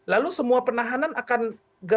lalu semua penahanan akan gagal